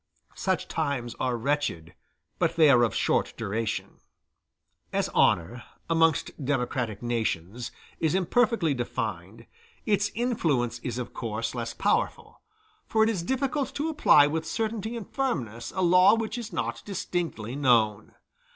Such times are wretched, but they are of short duration. As honor, amongst democratic nations, is imperfectly defined, its influence is of course less powerful; for it is difficult to apply with certainty and firmness a law which is not distinctly known.